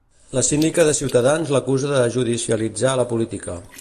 La síndica de Ciutadans l'acusa de judicialitzar la política.